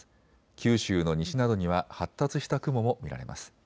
九州の西などには発達した雲も見られます。